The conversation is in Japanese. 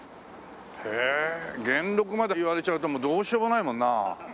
へえ元禄まで言われちゃうともうどうしようもないもんな。